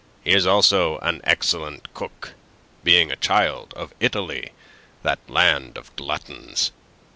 He is also an excellent cook, being a child of Italy, that land of gluttons.